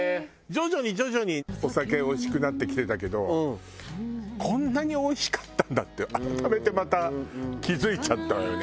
徐々に徐々にお酒おいしくなってきてたけどこんなにおいしかったんだって改めてまた気付いちゃったわよね。